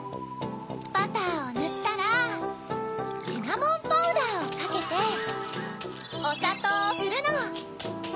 バターをぬったらシナモンパウダーをかけておさとうをふるの。